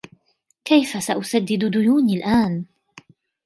كيفَ سأسدد ديونى الآن؟